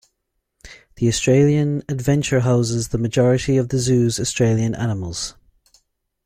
The Australian Adventure houses the majority of the Zoo's Australian animals.